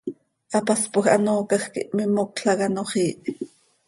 Hapaspoj hanoocaj quih mimocl hac ano xiih.